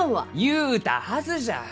言うたはずじゃ！